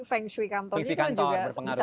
feng shui kantor juga bisa